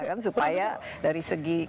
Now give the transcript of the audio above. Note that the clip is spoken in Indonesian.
kan supaya dari segi